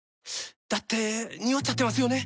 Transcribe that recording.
だってニオっちゃってますよね。